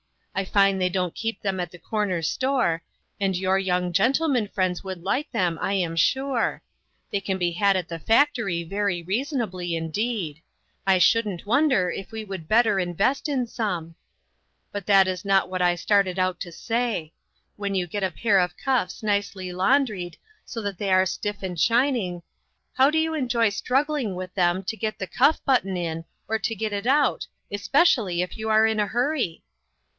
I find they don't keep them at the corner store, and your young gentleman friends would like them, I am sure. They can be had at the factory very reasonably, indeed. I shouldn't wonder if we would better invest in some. But that was not what I started out to say. When you get a pair of cuffs nicely laun dried, so that they are stiff and shining, how do you enjoy struggling with them to get the cuff button in, or to get it out especially if you are in a hurry